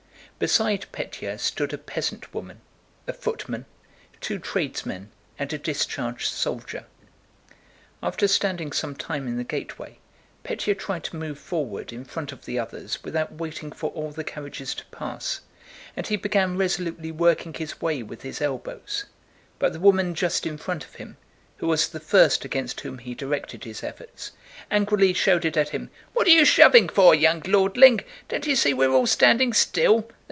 Beside Pétya stood a peasant woman, a footman, two tradesmen, and a discharged soldier. After standing some time in the gateway, Pétya tried to move forward in front of the others without waiting for all the carriages to pass, and he began resolutely working his way with his elbows, but the woman just in front of him, who was the first against whom he directed his efforts, angrily shouted at him: "What are you shoving for, young lordling? Don't you see we're all standing still?